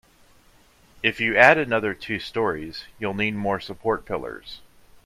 If you add another two storeys, you'll need more support pillars.